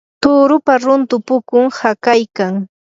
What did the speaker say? turupa runtu pukun hakaykan.